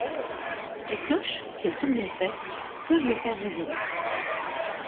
Les cloches, si elles sont bien faites, peuvent le faire résonner.